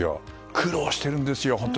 苦労しているんですよ、本当。